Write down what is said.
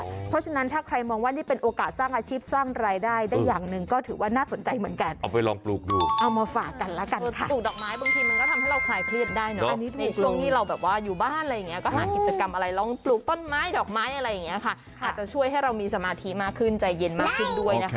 เพราะฉะนั้นถ้าใครมองว่านี่เป็นโอกาสสร้างอาชีพสร้างรายได้ได้อย่างนึงก็ถือว่าน่าสนใจเหมือนกัน